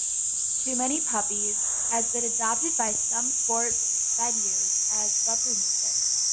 "Too Many Puppies" has been adopted by some sports venues as bumper music.